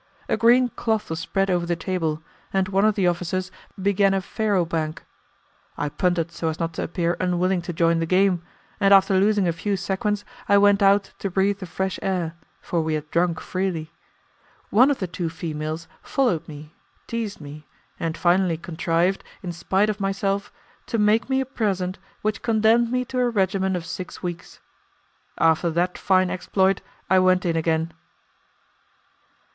A green cloth was spread over the table, and one of the officers began a faro bank. I punted so as not to appear unwilling to join the game, and after losing a few sequins I went out to breathe the fresh air, for we had drunk freely. One of the two females followed me, teased me, and finally contrived, in spite of myself, to make me a present which condemned me to a regimen of six weeks. After that fine exploit, I went in again.